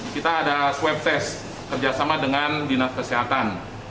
kita ada swab test kerjasama dengan dinas kesehatan